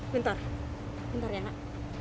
bentar bentar ya nak